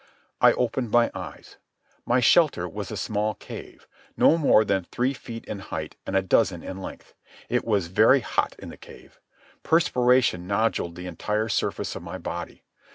I opened my eyes. My shelter was a small cave, no more than three feet in height and a dozen in length. It was very hot in the cave. Perspiration noduled the entire surface of my body.